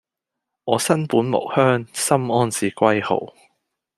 我身本無鄉，心安是歸號